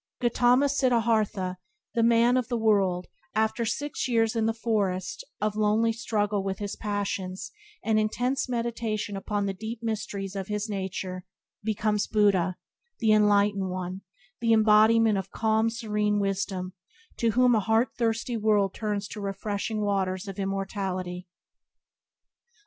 Gautama Siddhartha, the man of the world, after six years (in the forest) of lonely struggle with his passions and intense meditation upon the deep mysteries of his nature, becomes Buddha, the enlightened one, the embodiment of calm, serene wisdom, to whom a heart thirsty world turns to refreshing waters of immortality.